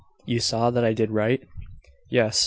You saw that I did write?" "Yes.